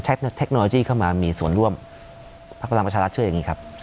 ใช้เทคโนโลยีเข้ามามีส่วนร่วมพระพระรามัชราชเชื่ออย่างนี้ครับ